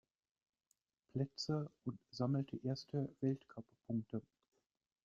Plätze und sammelte erste Weltcuppunkte.